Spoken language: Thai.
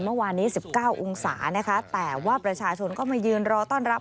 เมื่อวานนี้๑๙องศานะคะแต่ว่าประชาชนก็มายืนรอต้อนรับ